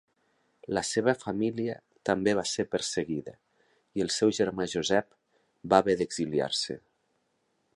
La seva família també va ser perseguida, i el seu germà Josep va haver d'exiliar-se.